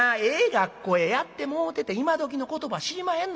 学校へやってもうてて今どきの言葉知りまへんのか。